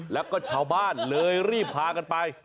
แล้วก็ชาวบ้านเลยรีบพากันไป